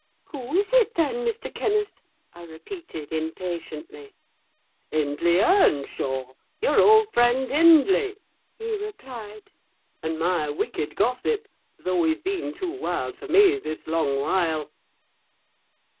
"Who is it, then, Mr. Kenneth?" I repeated impatiently. "Hindley Earnshaw! Your old friend Hindley," he replied, "and my wicked gossip: though he's been too wild for me this long while.